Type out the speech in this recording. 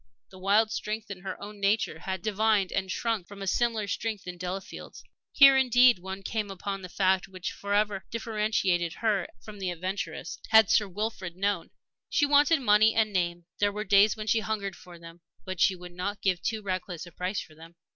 The wild strength in her own nature had divined and shrunk from a similar strength in Delafield's. Here, indeed, one came upon the fact which forever differentiated her from the adventuress, had Sir Wilfrid known. She wanted money and name; there were days when she hungered for them. But she would not give too reckless a price for them.